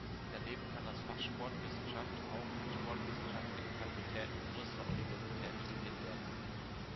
Daneben kann das Fach Sportwissenschaft auch an Sportwissenschaftlichen Fakultäten größerer Universitäten studiert werden.